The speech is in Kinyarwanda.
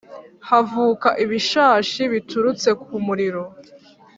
Havuka ibishashi biturutse ku muriro